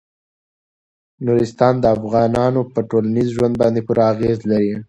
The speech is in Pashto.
نورستان د افغانانو په ټولنیز ژوند باندې پوره اغېز لري.